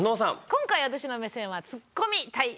今回私の目線は「ツッコミたい」です。